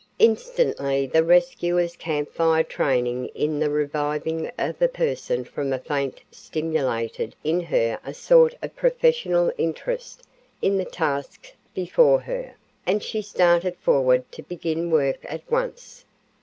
Instantly the rescuer's Camp Fire training in the reviving of a person from a faint stimulated in her a sort of professional interest in the task before her, and she started forward to begin work at once.